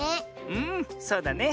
うんそうだね。